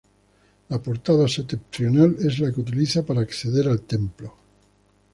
La portada septentrional es la que se utiliza para acceder al templo.